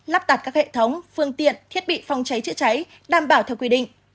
lắp đặt các hệ thống phương tiện thiết bị phòng cháy chữa cháy đảm bảo theo quy định